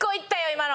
今の。